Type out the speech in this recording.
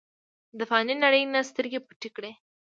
د فانې نړۍ نه سترګې پټې کړې ۔